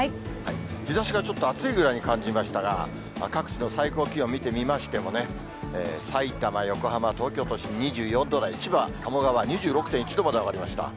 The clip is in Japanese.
日ざしがちょっと暑いぐらいに感じましたが、各地の最高気温見てみましてもね、さいたま、横浜、東京都心２４度台、千葉・鴨川２６．１度まで上がりました。